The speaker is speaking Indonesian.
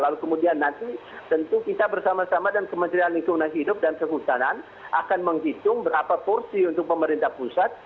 lalu kemudian nanti tentu kita bersama sama dan kementerian lingkungan hidup dan kehutanan akan menghitung berapa porsi untuk pemerintah pusat